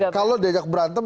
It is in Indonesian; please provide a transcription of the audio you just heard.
kalau diajak berantem